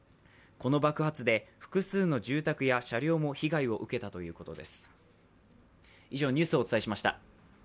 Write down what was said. この爆発で複数の住宅や車両も被害を受けたということです。